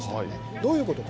どういうことか。